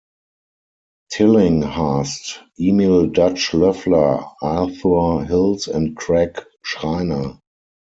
Tillinghast, Emil "Dutch" Loeffler, Arthur Hills and Craig Schreiner.